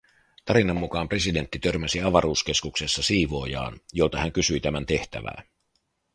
Tarinan mukaan presidentti törmäsi avaruuskeskuksessa siivoojaan, jolta hän kysyi tämän tehtävää.